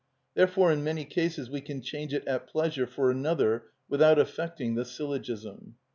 Therefore in many cases we can change it at pleasure for another without affecting the syllogism.